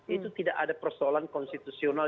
itu tidak ada persoalan konstitusional